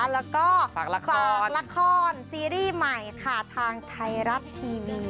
แล้วก็ฝากละครซีรีส์ใหม่ค่ะทางไทยรัฐทีวี